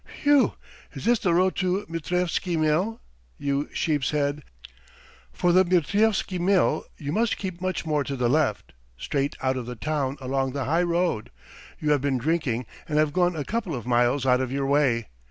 "Whew! Is this the road to Mitrievsky Mill? You sheepshead! For the Mitrievsky Mill you must keep much more to the left, straight out of the town along the high road. You have been drinking and have gone a couple of miles out of your way.